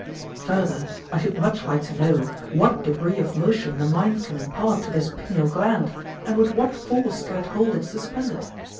Further, I should much like to know, what degree of motion the mind can impart to this pineal gland, and with what force can it hold it suspended?